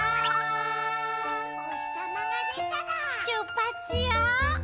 おひさまがでたらしゅっぱつしよう！